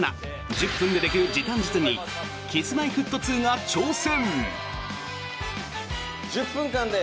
１０分でできる時短術にＫｉｓ−Ｍｙ−Ｆｔ２が挑戦！